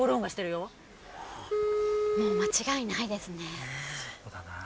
もう間違いないですね。